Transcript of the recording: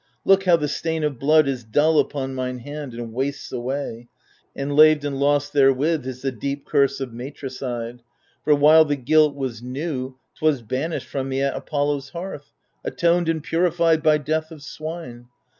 Look, how the stain of blood Is dull upon mine hand and wastes away, And laved and lost therewith is the deep curse Of matricide ; for while the guilt was new, 'Twas banished from me at Apollo's hearth. Atoned and purified by death of swine.